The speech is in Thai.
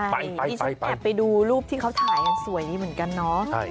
ไปจริงชะแกไปดูรูปที่เขาถ่ายให้สวยแบบนี้เหมือนกันเนาะ